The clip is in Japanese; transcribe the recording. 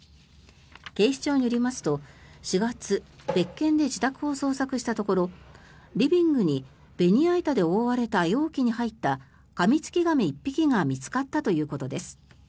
警視庁によりますと４月別件で自宅を捜索したところリビングにベニヤ板で覆われた容器に入ったカミツキガメ１匹が見つかったということです。